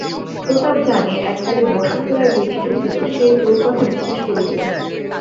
প্রতাপ জানে, এককালে বসন্ত রায় বলিষ্ঠ ছিল, সে তোর কথা বিশ্বাস করিবে।